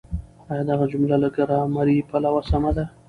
آيا دغه جمله له ګرامري پلوه سمه ده؟